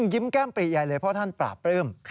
ยิ้มแก้มปรีใหญ่เลยเพราะท่านปราบปลื้ม